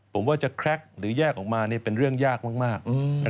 ผมว่าจะแคล็กหรือแยกออกมาเป็นเรื่องยากมาก